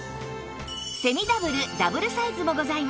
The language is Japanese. セミダブルダブルサイズもございます